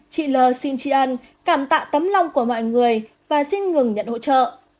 chị lơ xin chị ăn cảm tạ tấm lòng của mọi người và xin ngừng nhận hỗ trợ